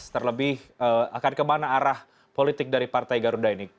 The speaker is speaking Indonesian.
terlebih akan kemana arah politik dari partai garuda ini